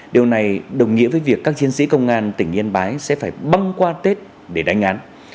điều này đồng nghĩa với việc các chiến sĩ công an tỉnh yên bái sẽ phải băng qua tết để đánh án